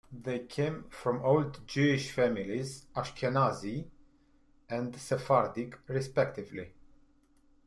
They came from old Jewish families, Ashkenazi and Sephardic, respectively.